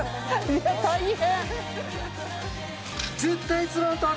いや大変